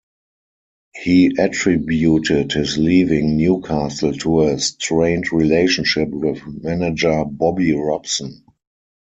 He attributed his leaving Newcastle to a "strained relationship" with manager Bobby Robson.